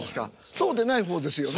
そうでない方ですよね？